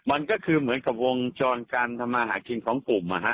มันก็คือเหมือนกับวงจรการทำมาหากินของกลุ่ม